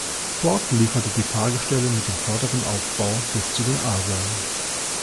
Ford lieferte die Fahrgestelle mit dem vorderen Aufbau bis zu den A-Säulen.